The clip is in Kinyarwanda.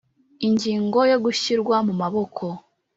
Ingingo ya gushyirwa mu maboko